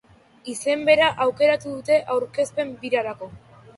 Izen bera aukeratu dute aurkezpen birarako.